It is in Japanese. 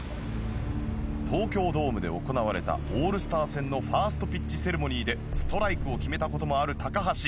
東京ドームで行われたオールスター戦のファーストピッチセレモニーでストライクを決めた事もある橋。